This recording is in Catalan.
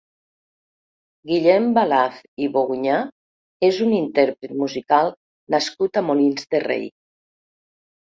Guillem Ballaz i Bogunyà és un intérpret musical nascut a Molins de Rei.